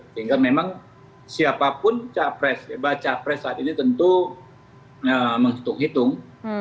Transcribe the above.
sehingga memang siapapun capres baca pres saat ini tentu menghitung hitung